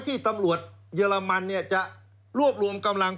ตำรวจเยอรมันจะรวบรวมกำลัง๑๕๐๐คน